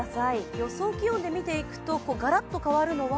予想気温で見ていくと、がらっと変わるのは？